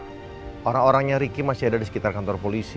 hai orang orangnya riki masih ada di sekitar kantor polisi